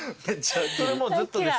それもうずっとですか？